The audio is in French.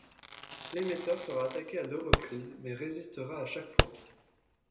L’émetteur sera attaqué à deux reprises, mais résistera à chaque fois.